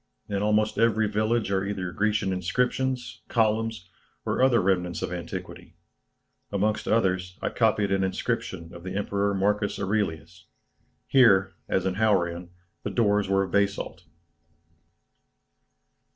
In almost every village are either Grecian inscriptions, columns, or other remnants of antiquity; amongst others I copied an inscription of the Emperor Marcus Aurelius. Here, as in Hauran, the doors were of basalt."